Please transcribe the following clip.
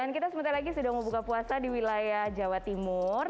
dan kita sebentar lagi sudah mau buka puasa di wilayah jawa timur